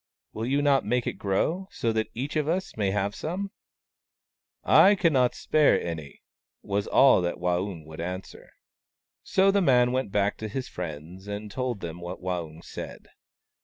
" Will you not make it grow, so that each of us may have some ?"" I cannot spare any," was all that Waung would answer. So the man went back to his friends, and told them what Waung said.